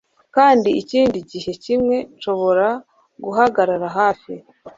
kandi ikindi gihe kimwe nshobora guhagarara hafi